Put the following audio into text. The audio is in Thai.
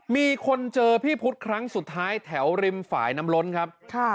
มีคนเจอพี่พุทธครั้งสุดท้ายแถวริมฝ่ายน้ำล้นครับ